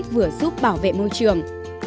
vừa giúp bảo vệ môi trường